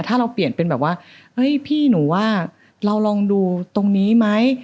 ถ้าเราเปลี่ยนเป็นแบบว่าเฮ้ยพี่หนูว่าเราลองดูตรงนี้ไหม